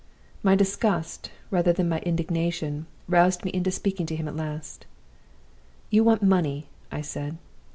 "My disgust, rather than my indignation, roused me into speaking to him at last. "'You want money,' I said.